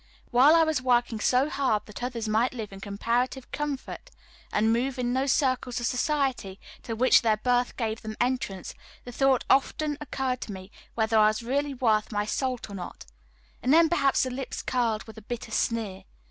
While I was working so hard that others might live in comparative comfort, and move in those circles of society to which their birth gave them entrance, the thought often occurred to me whether I was really worth my salt or not; and then perhaps the lips curled with a bitter sneer.